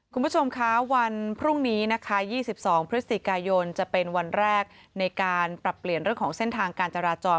คุณผู้ชมคะวันพรุ่งนี้นะคะ๒๒พฤศจิกายนจะเป็นวันแรกในการปรับเปลี่ยนเรื่องของเส้นทางการจราจร